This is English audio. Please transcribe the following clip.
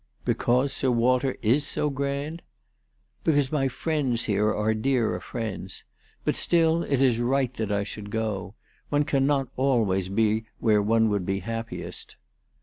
" Because Sir Walter is so grand ?"" Because my friends here are dearer friends. But still it is right that I should go. One cannot always be where one would be happiest."